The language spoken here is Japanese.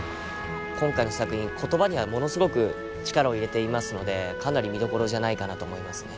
今回の作品言葉にはものすごく力を入れていますのでかなり見どころじゃないかなと思いますね。